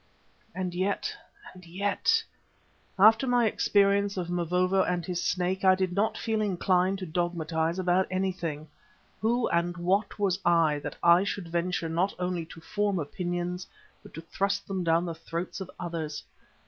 And yet, and yet, after my experience of Mavovo and his Snake, I did not feel inclined to dogmatise about anything. Who and what was I, that I should venture not only to form opinions, but to thrust them down the throats of others?